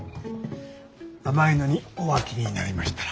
甘いのにお飽きになりましたら。